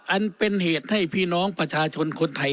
อันเป็นเหตุให้พี่น้องประชาชนคนไทย